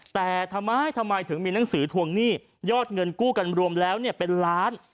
แต่ทำไมทำไมถึงมีหนังสือทวงหนี้ยอดเงินกู้กันรวมแล้วเป็นล้าน